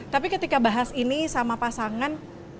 tapi ketika bahas ini sama pasangan